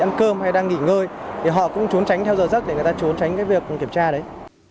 ăn cơm hay đang nghỉ ngơi thì họ cũng trốn tránh theo giờ giấc để người ta trốn tránh cái việc kiểm tra đấy